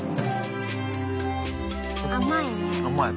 甘いね。